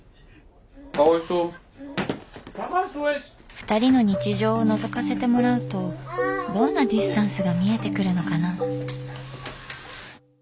ふたりの日常をのぞかせてもらうとどんなディスタンスが見えてくるのかな？